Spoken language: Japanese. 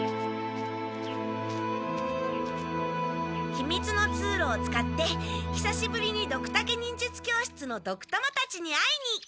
ひみつの通路を使ってひさしぶりにドクタケ忍術教室のドクたまたちに会いに。